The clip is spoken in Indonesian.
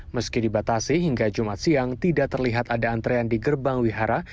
meski dibatasi hingga jumat siang tidak terlihat ada antrean di gerbang wihara